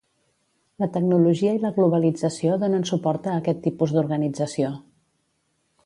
La tecnologia i la globalització donen suport a aquest tipus d'organització.